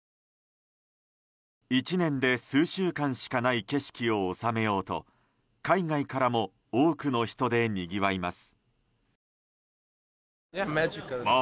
１年で数週間しかない景色を収めようと海外からも多くの人でにぎわいます。